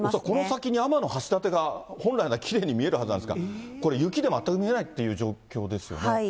この先に天橋立が、本来ならきれいに見えるはずなんですが、これ、雪で全く見えないっていう状況ですよね。